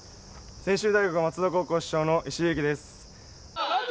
専修大学松戸高校主将の石井詠己です。